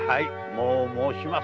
もう申しません。